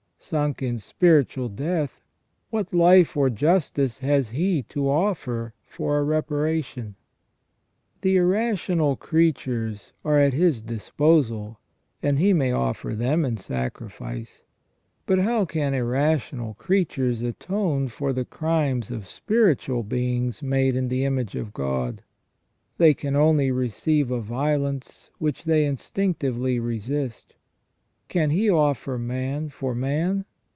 Sunk in spiritual death, what life or justice has he to offer for a reparation ? The irrational creatures are at his disposal, and he may offer them in sacrifice. But how can irrational creatures atone for the crimes of spiritual beings made in the image of God ? They can only receive a violence which they instinctively resist. Can he offer man for man